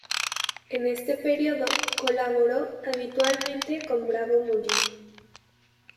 En este periodo colaboró habitualmente con Bravo Murillo.